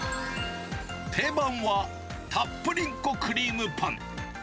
定番はたっぷりんこクリームパン。